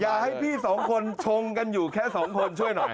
อยากให้พี่สองคนชงกันอยู่แค่สองคนช่วยหน่อย